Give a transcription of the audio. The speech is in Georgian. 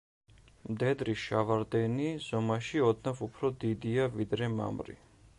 მდედრი შავარდენი ზომაში ოდნავ უფრო დიდია, ვიდრე მამრი.